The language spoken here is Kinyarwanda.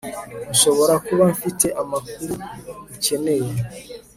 nshobora kuba mfite amakuru ukeneye